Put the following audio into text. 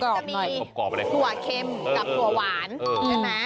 กรอบกรอบก็คือหัวเข้มกับหัวหวานใช่ไหม